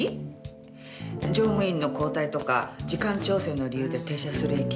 乗務員の交代とか時間調整の理由で停車する駅。